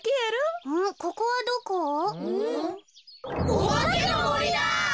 おばけのもりだ！